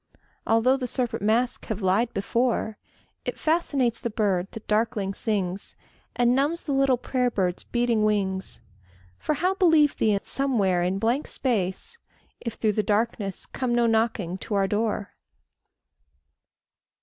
Although the serpent mask have lied before, It fascinates the bird that darkling sings, And numbs the little prayer bird's beating wings. For how believe thee somewhere in blank space, If through the darkness come no knocking to our door?